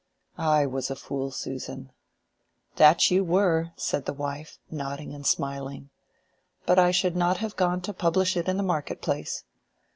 "I was a fool, Susan." "That you were," said the wife, nodding and smiling. "But I should not have gone to publish it in the market place.